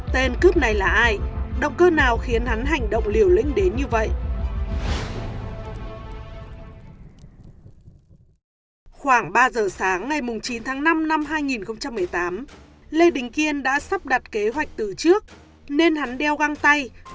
tên cướp này là ai động cơ nào khiến hắn hành động liều lĩnh đến như vậy